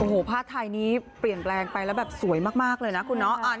โอ้โหผ้าไทยนี้เปลี่ยนแปลงไปแล้วแบบสวยมากเลยนะคุณเนาะ